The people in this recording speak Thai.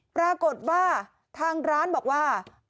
ปรากฏว่าทางร้านบอกว่า